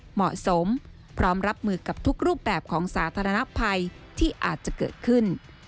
เหมาะสมพร้อมรับมือกับทุกรูปแบบของสาธารณภัยที่อาจจะเกิดขึ้น